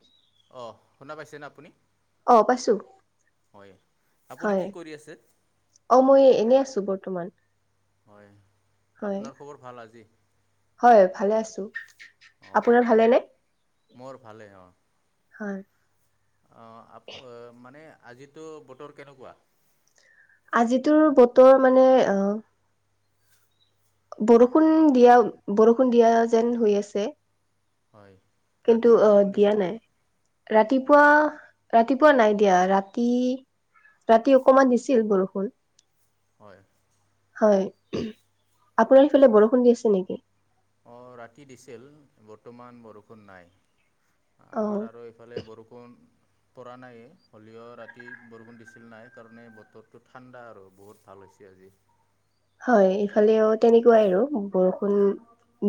উ [unintelligible] অ শুনা পাইছে ন আপুনি? অ পাইছোঁ হয় আপুনি কি হয়, কৰি আছে অ মই এনেই আছো বৰ্তমান। হয় হয় আপোনাৰ খবৰ ভাল আজি। হয়, ভালে আছো অঁ আপোনাৰ ভালেনে? মোৰ ভালে অ',। হয় অহ, আ মানে আজিতো বতৰ কেনেকুৱা? আজিতো বতৰ মানে আহ বৰষুণ দিয়া- বৰষুণ দিয়া যেন হৈ আছে। হয় কিন্তু ৰাতি আহ বৰষুণ দিয়া দিছিল নাই নেকি ৰাতিপুৱা -ৰাতিপুৱা নাই দিয়া ৰাতি ৰাতি অকমান দিছিল বৰষুণ। হয়। হয়, আপোনাৰ এইফালে বৰষুণ দিছে নেকি? অ', ৰাতি দিছিল বৰ্তমান বৰষুণ নাই। অ আমাৰ আৰু এইফালে বৰষুণ পৰা নাইয়ে হলেও ৰাতি বৰষুণ দিছিল নাই কাৰণে বতৰটো ঠাণ্ডা আৰু বহুত ভাল আছে আজি। হয়, ইফালে অ'তেনেকুৱাই আৰু বৰষুণ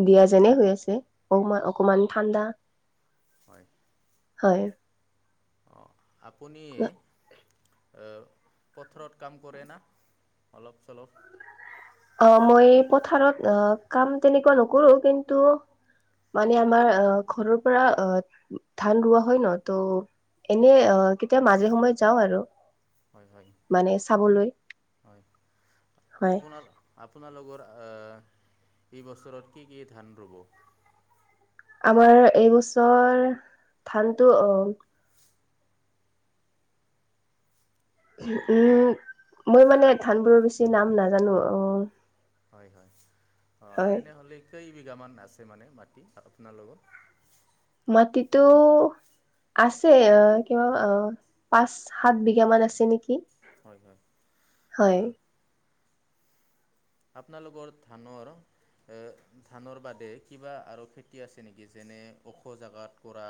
দিয়া যেনে হৈ আছে অমান -অকমান ঠাণ্ডা। হয়। হয়। অহ, আপুনিয়ে অ'পথৰত কাম কৰে না অলপ- চলপ? অহ, মই পথাৰত অ' কাম তেনেকুৱা নকৰো কিন্তু মানে আমাৰ আহ ঘৰৰ পৰা অহ ধান ৰোৱা হয় ন' ত' এনেই অহ কেতিয়া মাজে সময়ে যাওঁ আৰু। হয় হয় মানে চাবলৈ হয় হয়। আপোনাৰ আপোনালোকৰ আহ এই বছৰত কি -কি ধান ৰুব? আমাৰ এইবছৰ ধানটো অহ উম, মই মানে ধানবোৰৰ বেছি নাম নাজানো অ', হয়- হয় অহ হয় তেনেহলে কেই [unintelligible] বিঘামান আছে মানে মাটি আপোনাৰ লগত মাটিতো আছে অ' কিবা অ' পাঁচ সাত বিঘা মান আছে নেকি হয়- হয় হয় অহ। আপোনালোকৰ ধানৰ এ'ধানৰ বাদে কিবা আৰু খেতি আছে নেকি যেনে ওখ জাগাত কৰা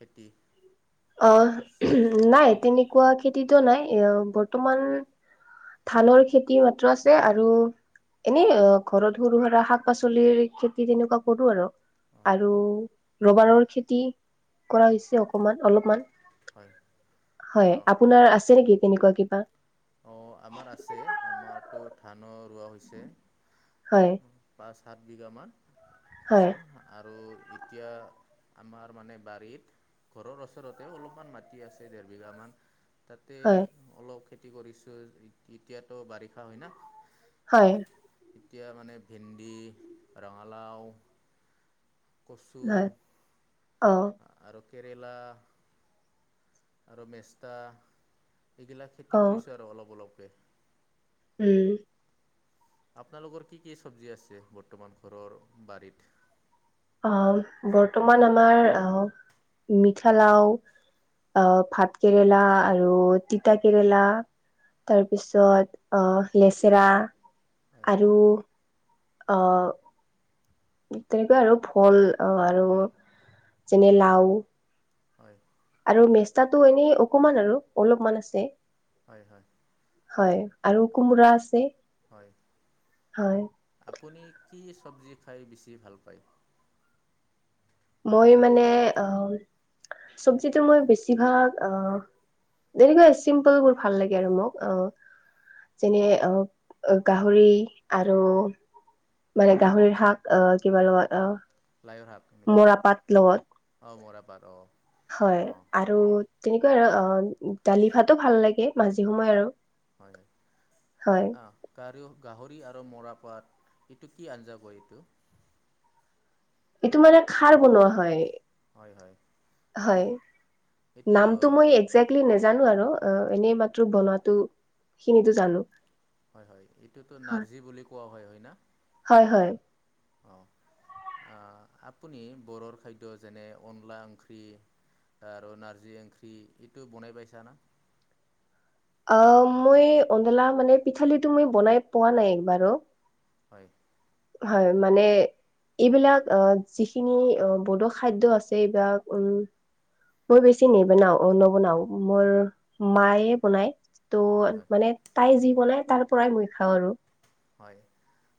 খেতি অহ, নাই চব তেনেকুৱা খেতিতো নাই এ' বৰ্তমান ধানৰ খেতি মাত্ৰ আছে আৰু এনেই ঘৰত সৰু- সুৰা, শাক -পাচলিৰ খেতি তেনেকুৱা কৰো আৰু। হয় আৰু ৰবাৰৰ খেতি কৰা হয় হৈছে অকমান অলপমান। হয় হয়, আপোনাৰ আছে নেকি তেনেকুৱা কিবা? অহ, আমাৰ আছে আমাৰতো ধানত হৈছে হয় পাচ সাত বিঘা মান হয় আছে আৰু এতিয়া আমাৰ মানে বাৰীত ঘৰৰ ওচৰতে অলপমান মাটি আছে দেৰ বিঘা মান তাতে হয় অলপ খেতি কৰিছো এতিয়াতো বাৰিষা হয় না হয়। এতিয়া মানে ভেন্দি, ৰঙালাও কচু, অহ আৰু কেৰেলা আৰু মেষ্টা এইগিলাক খেতি অ কৰিছোঁ আৰু অলপ অলপকে [unintelligible] উম আপোনালোকৰ কি কি চব্জি আছে বৰ্তমান ঘৰৰ বাৰীত আহ বৰ্তমান আমাৰ আহ মিঠালাও আহ ভাত কেৰেলা আৰু তিতা কেৰেলা তাৰপিছত অহ লেচেৰা হয় আৰু অ তেনেকুৱা আৰু ফল অ আৰু যেনে লাও হয় আৰু মেষ্টাটো এনেই অকমান আৰু অলপমান আছে হয় হয় হয় আৰু কোমোৰা আছে হয় হয় আপুনি কি চবজি খাই বেছি ভাল পায় মই মানে আহ চব্জিটো মই বেছিভাগ আহ তেনেকুৱা চিম্পল বোৰ ভাল লাগে আৰু মোক অ যেনে আহ গাহৰি আৰু মানে গাহৰিৰ শাক আহ কিবা লগত লাইৰহাট আহ নেকি মৰা পাত লগত অঁ মৰাপাট অঁ হয় অঁ আৰু তেনেকুৱা দালি ভাতো ভাল লাগে মাজি সময়ে আৰু [unintelligible] হয় হয় অ কাৰ গাহৰি আৰু মৰাপাত এইটো কি আঞ্জা হয়এইটো এইটো মানে খাৰ বনোৱা হয় এই হয় এইটো নামটো মই একজেক্লি ন জানো আৰু অ এনেই মাত্ৰ বনাতো খিনিতো জানো হয় হয় এইটোতো হয় নাৰ্জী বুলি কোৱা হয় হয় ন হয় হয় আপুনি বৰৰ খাদ্য যেনে অনলা অংখি [unintelligible] আৰু নাৰ্জী এংখী এইটো বনাই পাইছ না অ মই অডলা মানে পিঠালিটো মই বনাই পোৱা নাই একবাৰো [unintelligible] হয় হয় মানে এইবিলাক আহ যিখিনি বড খাদ্যয় আছে এইবিলাক উম মই বেছি নিবনাও নবনাও মোৰ মায়ে বনায় হয় ত' হয় মানে তাই যি বনাই তাৰ পৰাই মই খাওঁ আৰু হয়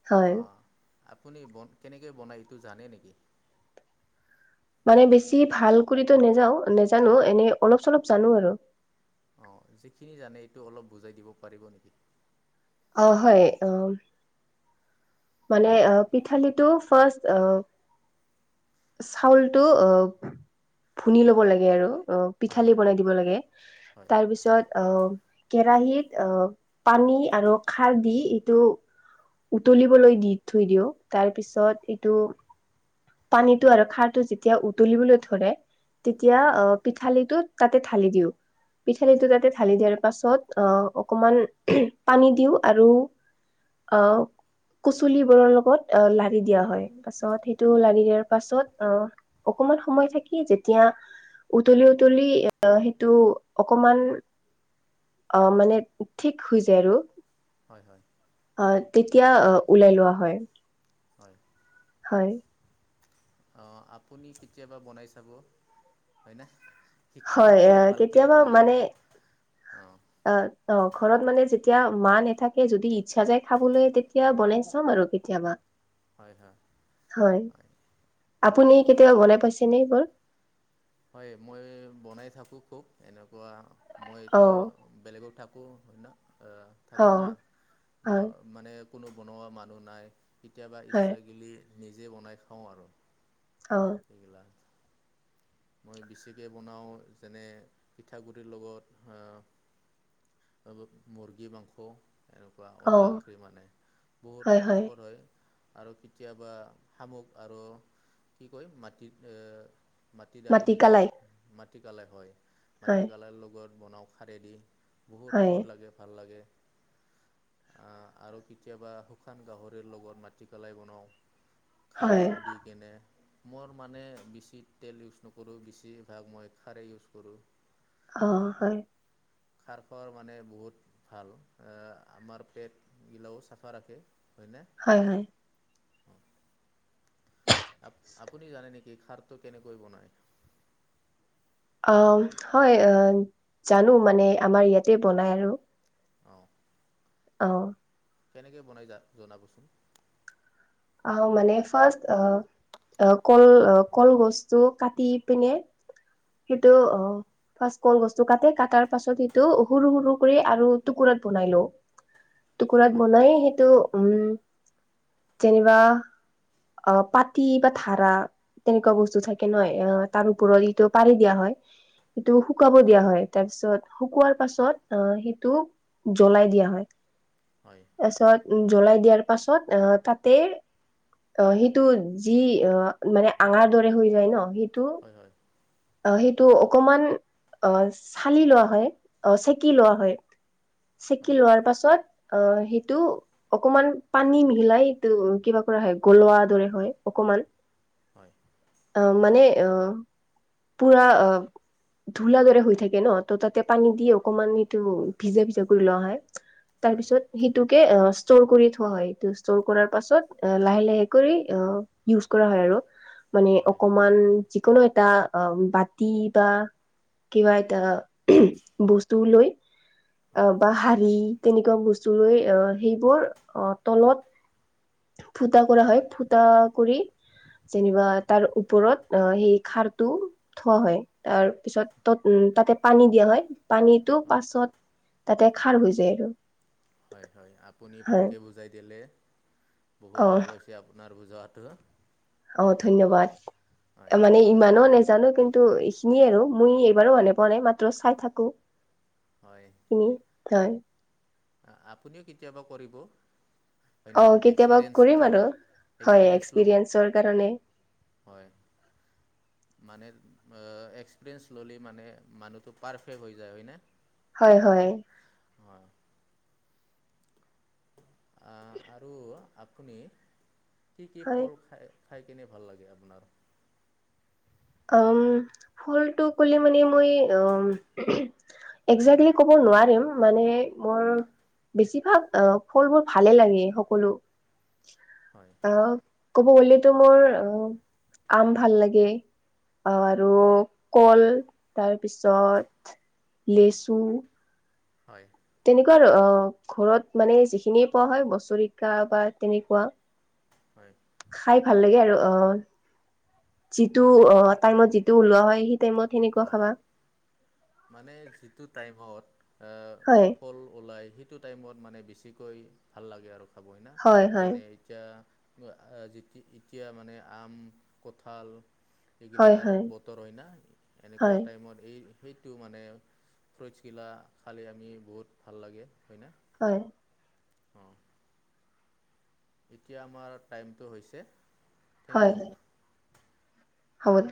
হয় অঁ আপুনি কেনেকে বনায় এইটো জানে নেকি মানে বেছি ভাল কৰিতো নেযাও নেজানো এনেই অলপ চলপ জানো আৰু অ যিখিনি জানে এইটো অলপ বুজাই দিব পাৰিব নেকি অ হয় অ মানে পিঠালিটো ফাৰ্ষ্ট [unintelligible] চাউলটো অ ভুনি লব লাগে আৰু অ হয় পিঠালি হয় বনাই দিব লাগে হয় তাৰ পিছত আহ কেৰাহীত অ পানী আৰু খাৰ দি এইটো উতলিব [unintelligible] লৈ দি থৈ দিওঁ তাৰপিছত এইটো পানীতটো আৰু খাৰটো যেতিয়া উতলিবলৈ ধৰে তেতিয়া হয় হয় অ পিঠালিটোত তাতে ঢালি দিও হয় পিঠালিটো তাতে ঢালি দিয়াৰ [unintelligible] তাৰ পাছত আহ অকমান পানী দিওঁ আৰু অ কুচুলিবোৰৰ লগত অ লাৰি দিয়া হয় পাছত স টো লাৰি দিয়াৰ পাছত অ অকমান সময় থাকি যেতিয়া উতলি উতলি সেইটো অকমান অ মানে ঠিক হৈ যায় আৰু হয় হয় অ তেতিয়া ওলাই লোৱা হয় হয় হয় অ আপুনি কেতিয়াবা বনাই চাব হয় ন হয় কেতিয়াবা মানে অ অ অ ঘৰত মানে যেতিয়া মা নাথাকে যদি ইচ্ছা যায় খাবলৈ তেতিয়া বনাই চাম আৰু কেতিয়াবা হয় হয় হয় আপুনি কেতিয়াবা বনাই পাইছেনে এইবোৰ হয় মই বনাই থাকো খুব এনেকুৱা অ মইতো বেলেগক থাকো হয় ন আহ অ থাকো না ম হয় মানে কোনো বনোৱা মানুহ নাই কেতিয়াবা হয় ইচ্ছা গিলি নিজে বনাই খাওঁ আৰু অ সেইবিলাক মই বেছিকৈ বনাওঁ যেনে পিঠাগু়িৰ লগত মূৰ্গী মাংস এনেকুৱা অ অনলাখৰি মানে বহুত স হয় আৰু কেতিয়াবা শামুক আৰু কি কয় মাটিত এ মাটি দালি নেকি মাটিকালে হয় হয় মাটিকালৰ লগত বনাওঁ খাৰেদি বহুত হয়, সুখদ লাগে ভাল লাগে আৰু কেতিয়াবা শুকান গাহৰিৰ লগত মাটিকলাই বনাওঁ খাৰ হয়, দি কেনে মোৰ মানে বচিত তেল ইউজ নকৰোঁ বেছিভাগ মই খাৰেই ইউজ কৰোঁ অ হয় খাৰ খাৰ মানে বহুত ভাল এ আমাৰ পেট গিলাও চাফা ৰাখে হয়নে হয় হয় আ আপুনি জানে নেকি খাৰটো কেনেকৈ বনায় অ হয় জানো মানে আমাৰ ইয়াতে বনাই আৰু অ অ কেনেকে বনাই যা জনাবচোন অ মানে ফাৰ্ অ আহ কল কলগছটো কাটি পিনে সেইটো হয় আহ ফাৰ কলগছু কাটে কটাৰ পাছত সিটো সৰু সৰু কৰি আৰু টুকুৰাত বনাই লও [inaudible] টুকুৰাত বনাই সেইটো উম যেনিবা অ পাটি বা ধাৰা তেনেকুৱা বস্তু থাকে নহয় অ তাৰ ওপৰত ইটো পাৰি দিয়া হয় সেইটো শুকাব দিয়া হয় তাৰ পিছত শুকোৱাৰ পাছত আহ সেইটো জ্বলাই দিয়া হয় হয় তাৰ পাছত জ্বলাই দিয়াৰ পাছত অ তাত তে অ সেইটো যি অ মানে আঙাৰ দৰে হৈ যায় ন সেই হয় হয় অ সেইটো অকমান অ চালি লোৱা হয় অ চেকি লোৱা হয় চেকি হয় লোৱাৰ পাছত অ সেইটো অকমান পানী মিহলাই এইটো কিবা কৰা হয় গলোৱাৰ দৰে হয় অকমান হয় আহ মানে আহ পুৰা আহ ধূলা দৰে হৈ থাকে ন ত তাতে পানী দি অকমান এইটো ভিজা ভিজা কৰি লোৱা হয়। হয় তাৰপিছত সিটোকে অ ষ্টৰ কৰি থোৱা হয় ষ্ট'ৰ কৰাৰ পাছত লাহে লাহে কৰি ইউজ কৰা হয় আৰু মানে হয় অকমান যিকোনো এটা অ বাতি বা কিবা এটা বস্তু লৈ আহ বা শাৰী তেনেকুৱা বস্তু লৈ আহ সেইবোৰ আহ তলত ফুঁটা কৰা হয় ফুটা কৰি যেনিবা তাৰ ওপৰত অ সেই খাৰ টো থোৱা হয় তাৰ পিছত ত উ তাতে পানী দিয়া হয় পানীতো হয় পাছত তাতে খাৰ হৈ যায় আৰু হয় হয় আপুনি হয় ভালকৈ বুজাই দিলে অ বহুত ভাল হৈছে আপোনাৰ আৰু যহাতু অ ধন্যবাদ মানে ইমানো ন জানো কিন্তু এইখিনিয়ে আৰু মই এইবাৰো মনত পোৱা নাই মাত্ৰ চাই থাকো হয় কি ত আপুনিও কেতিয়াবা কৰিব হয় অ না কেতিয়াবা এক্সপিৰিয়েঞ্চ কৰিম আৰু হয় এক্সপিৰিয়েঞ্চ ল'ব এক্সপিৰেনচৰ কাৰণে হয় মানে এক্সপিৰিয়েঞ্চ ল'লে মানে মানুহ পাৰফেক্ট হয় যায় হয় হয় আহ আৰু আপুনি কি কি হয় ফল খায় খাই কিনে ভাল লাগে আপোনাৰ উম ফুলটো কলে মানে মই উম একজে্টলি ক'ব নোৱাৰিম মানে মোৰ বেছিভাগ আহ ফলবোৰ ভালে লাগে সকলো হয় আহ ক'ব গলেতো মোৰ আহ আম ভাল লাগে আহ আৰু কল তাৰপিছত লেচু হয় তেনেকোৱা অ ঘৰত মানে যিখিনিয় পোৱা হয় বছৰিকা বা তেনেকোৱা হয় খাই ভাল লাগে আৰু অ যিটো মানে টাইমত অঁ যিটো ওলোৱা হয় সেই টাইমত সেনেকোৱা অঁ খাবা মানে যিটো টাইমত আ, হয় ফল ওলায় সেইটো টাইমত মানে বেছিকৈ ভাল লাগে আৰু খাব সিনা হয় হয় যেনে এতিয়া এতিয়া মানে আম কঁঠাল হয় এইগিলাৰ হয় বতৰ হয় ন এনেকোৱা হয় টাইমত এই সেইটো মানে ফ্ৰুইটছগিলা খালে আমি বহুত ভাল লাগে হয়নে হয় অ এতিয়া আমাৰ টাইমটো হৈছে থেংক ইউ হত